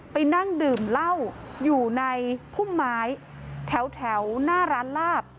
ไปนั่งดื่มเหล้าอยู่ในพุ่มไม้แถวหน้าร้านลาบ